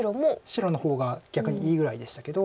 白の方が逆にいいぐらいでしたけど。